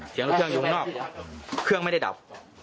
เสียงเครื่องอยู่ข้างนอกเครื่องไม่ได้ดับ